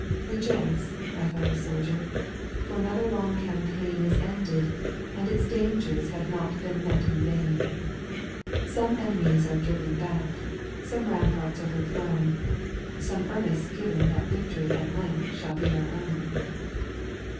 2. Rejoice, my fellow soldier, for another long campaign Is ended, and its dangers have not been met in vain ; Some enemies are driven back, some ramparts overthrown ; Some earnests given that victory at length shall be our own.